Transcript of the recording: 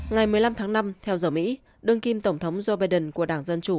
ngày một mươi năm tháng năm theo giờ mỹ đương kim tổng thống joe biden của đảng dân chủ